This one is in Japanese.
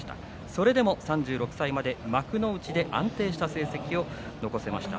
それでも３６歳まで幕内で安定した成績を残しました。